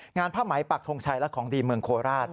งานพระมัยปักธงชัยและของดีมเมืองโคราช